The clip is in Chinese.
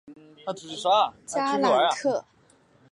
加朗特。